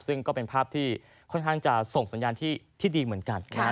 ซึ่งก็เป็นภาพที่ค่อนข้างจะส่งสัญญาณที่ดีเหมือนกัน